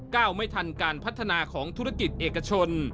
ไม่ทันการพัฒนาของธุรกิจเอกชน